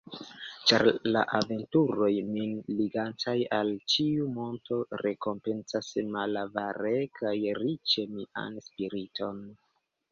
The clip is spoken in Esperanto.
Ĉar la aventuroj min ligantaj al ĉiu monto rekompencas malavare kaj riĉe mian spiriton.